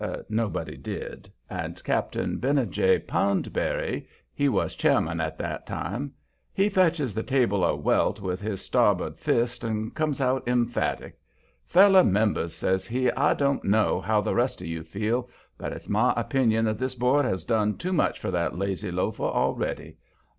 Nobody did, and Cap'n Benijah Poundberry he was chairman at that time he fetches the table a welt with his starboard fist and comes out emphatic. "Feller members," says he, "I don't know how the rest of you feel, but it's my opinion that this board has done too much for that lazy loafer already.